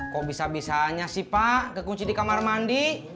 kok bisa bisanya sih pak kekunci di kamar mandi